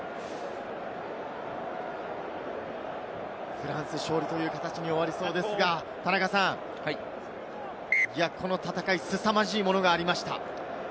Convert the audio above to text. フランス勝利という形に終わりそうですが、この戦い、すさまじいものがありました。